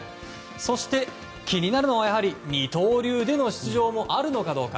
そして気になるのは二刀流での出場もあるのかどうか。